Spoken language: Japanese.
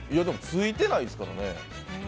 ついてないですからね。